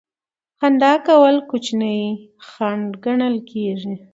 خندا کول کوچنی خنډ ګڼل کیږي.